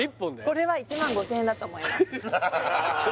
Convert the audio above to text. これは１５０００円だと思います